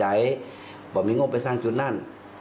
ใหญ่เจ้าเปลี่ยนไปสร้างจุดนั้น